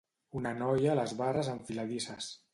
Una noia a les barres enfiladisses.